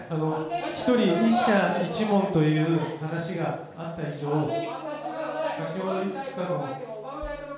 １人１社１問という話があった以上、先ほどいくつかの。